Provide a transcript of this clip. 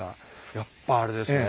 やっぱあれですね。